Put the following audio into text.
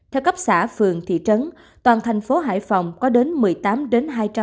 theo cấp xã phường thị trấn toàn thành phố hải phòng có đến một mươi tám đến hai trăm một mươi tám